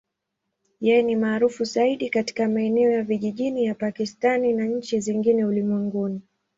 Yeye ni maarufu zaidi katika maeneo ya vijijini ya Pakistan na nchi zingine ulimwenguni.